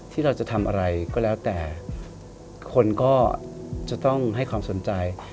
ที่เราจะทำอะไรก็แล้วแต่คนก็จะต้องให้ความสนใจ